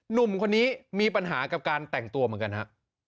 หนุ่มคนนี้มีปัญหากับการแต่งตัวเหมือนกันฮะ